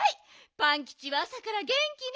パンキチはあさからげんきね。